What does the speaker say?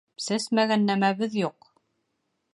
Сәсмәгән нәмәбеҙ юҡ...